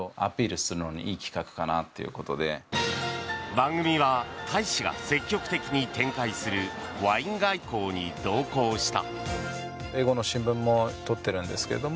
番組は大使が積極的に展開するワイン外交に同行した。